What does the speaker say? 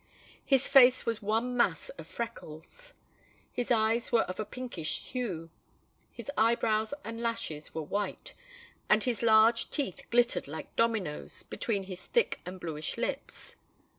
His face was one mass of freckles; his eyes were of a pinkish hue; his eyebrows and lashes were white; and his large teeth glittered like dominoes between his thick and blueish lips.